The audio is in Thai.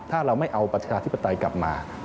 ถ้าเราไม่เอาประชาธิปไตยกลับมา